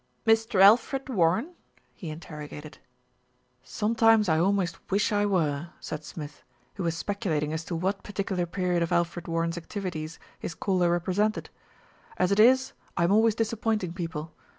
"Mr. Alfred Warren?" he interrogated. "Sometimes I almost wish I were," said Smith, who was speculating as to what particular period of Alfred Warren's activities his caller represented. "As it is, I am always disappointing people.